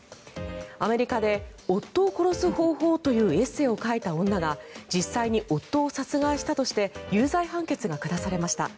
アメリカで「夫を殺す方法」というエッセーを書いた女が実際に夫を殺害したとして有罪判決が下されました。